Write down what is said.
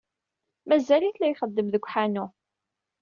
Mazal-it la ixeddem deg uḥanu.